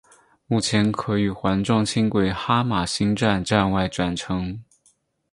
目前可与环状轻轨哈玛星站站外转乘。